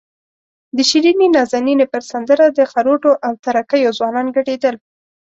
د شیرینې نازنینې پر سندره د خروټو او تره کیو ځوانان ګډېدل.